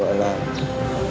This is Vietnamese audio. quá tải du lịch